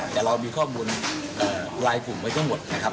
แต่เรามีข้อมูลลายกลุ่มไว้ทั้งหมดนะครับ